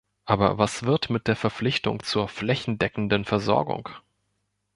Aber was wird mit der Verpflichtung zur flächendeckenden Versorgung?